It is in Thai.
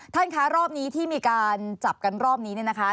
ท่านคะรอบนี้ที่มีการจับกันรอบนี้เนี่ยนะคะ